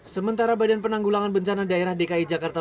sementara badan penanggulangan bencana daerah dki jakarta